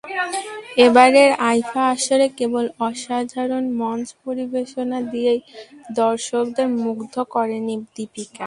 এবারের আইফা আসরে কেবল অসাধারণ মঞ্চ পরিবেশনা দিয়েই দর্শকদের মুগ্ধ করেননি দীপিকা।